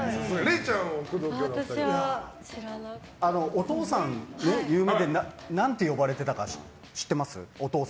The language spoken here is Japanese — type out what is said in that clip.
お父さん有名でなんて言われてたか知ってますか？